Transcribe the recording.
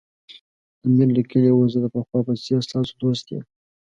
امیر لیکلي وو زه د پخوا په څېر ستاسو دوست یم.